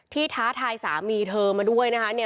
ท้าทายสามีเธอมาด้วยนะคะ